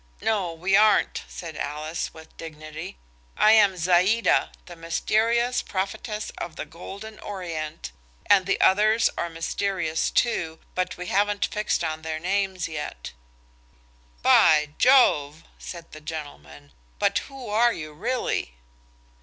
No we aren't," said Alice, with dignity. "I am Zaïda, the mysterious prophetess of the golden Orient, and the others are mysterious too, but we haven't fixed on their names yet." "By Jove!" said the gentleman; "but who are you really?"